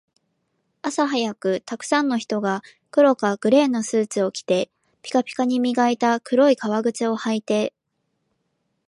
朝早く、沢山の人が黒かグレーのスーツを着て、ピカピカに磨いた黒い革靴を履いて